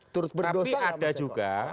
tapi ada juga